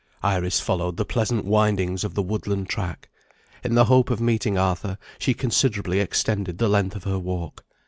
Iris followed the pleasant windings of the woodland track. In the hope of meeting Arthur she considerably extended the length of her walk.